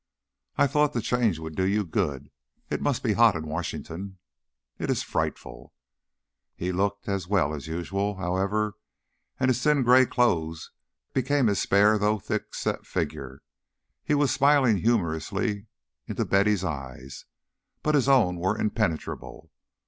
"I thought the change would do you good. It must be hot in Washington." "It is frightful." He looked as well as usual, however, and his thin grey clothes became his spare though thickset figure. He was smiling humorously into Betty's eyes, but his own were impenetrable.